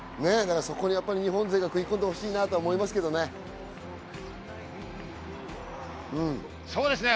そこに日本勢が食い込んでほしいなと思いますけどね。